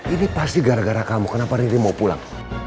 ini pasti gara gara kamu kenapa diri mau pulang